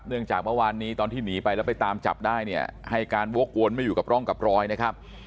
จากเมื่อวานนี้ตอนที่หนีไปแล้วไปตามจับได้เนี่ยให้การวกวนไม่อยู่กับร่องกับรอยนะครับ